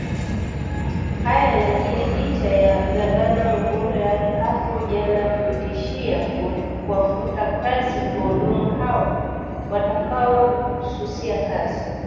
Haya yanajiri licha ya gavana Mvurya hapo Jana kutishia kuwafuta kazi wahudumu hao watakaosusia kazi